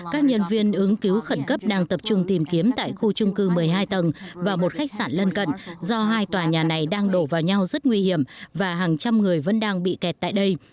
các nhân viên ứng cứu khẩn cấp đang tập trung tìm kiếm tại khu trung cư một mươi hai tầng và một khách sạn lân cận do hai tòa nhà này đang đổ vào nhau rất nguy hiểm và hàng trăm người vẫn đang bị kẹt tại đây